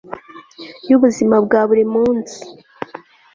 yubuzima bwa buri munsi